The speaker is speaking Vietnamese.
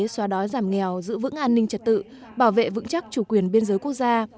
xóa đói giảm nghèo giữ vững an ninh trật tự bảo vệ vững chắc chủ quyền biên giới quốc gia